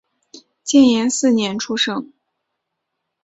建炎四年出生。